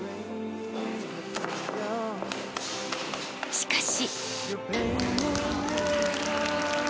［しかし］